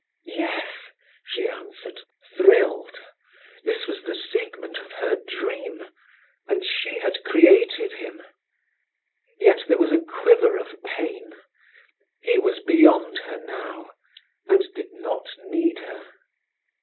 "Yes," she answered, thrilled. This was the Siegmund of her dream, and she had created him. Yet there was a quiver of pain. He was beyond her now, and did not need her.